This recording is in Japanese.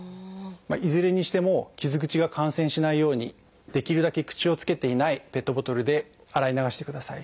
いずれにしても傷口が感染しないようにできるだけ口をつけていないペットボトルで洗い流してください。